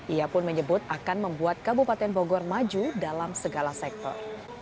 ia pun menyebut akan membuat kabupaten bogor maju dalam segala sektor